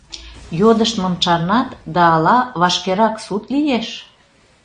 Йодыштмым чарнат да ала вашкерак суд лиеш?